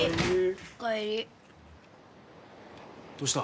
お帰りどうした？